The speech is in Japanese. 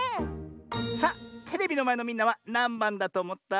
さあテレビのまえのみんなはなんばんだとおもった？